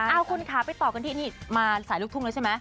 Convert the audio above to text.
เอาคุณค่ะไปต่อกันที่นี่มาสายลูกทุ่งแล้วใช่ไหม